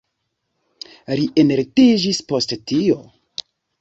Li enlitiĝis post tio.